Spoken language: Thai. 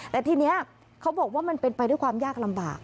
แต่ทีนี้เขาบอกว่ามันเป็นไปด้วยความยากลำบาก